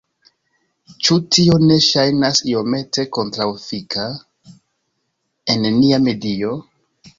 Ĉu tio ne ŝajnas iomete kontraŭefika en nia medio?